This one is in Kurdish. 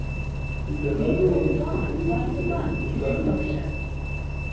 Li radyoyê bi dengekî bilind guhdar nekin.